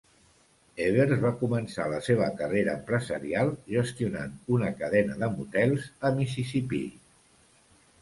Ebbers va començar la seva carrera empresarial gestionant una cadena de motels a Mississipí.